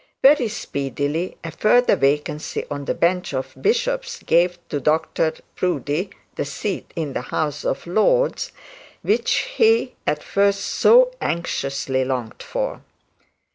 Very speedily, a further vacancy on the bench of bishops gave Dr Proudie the seat in the House of Lords, which he at first so anxiously longed for.